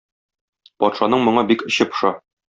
Патшаның моңа бик эче поша.